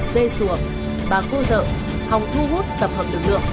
xê xùa bà cô dợ không thu hút tập hợp lực lượng